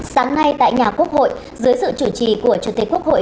sáng nay tại nhà quốc hội dưới sự chủ trì của chủ tịch quốc hội